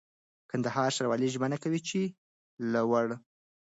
کندهار ښاروالي ژمنه کوي چي له وړ